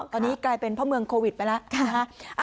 ตอนนี้กลายเป็นพ่อเมืองโควิดไปแล้วนะฮะ